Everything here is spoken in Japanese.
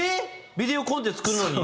ビデオコンテ作るのに？